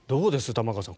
玉川さん。